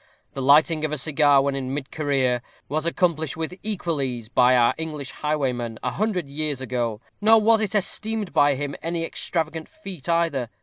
the lighting of a cigar when in mid career, was accomplished with equal ease by our English highwayman a hundred years ago, nor was it esteemed by him any extravagant feat either.